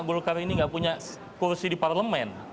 gulkar ini nggak punya kursi di parlemen